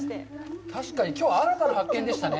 確かにきょうは新たな発見でしたね。